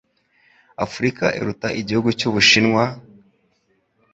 Africa iruta ubunini igihugu cy'Ubushinwa,